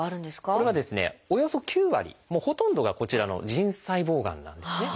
これはおよそ９割もうほとんどがこちらの腎細胞がんなんですね。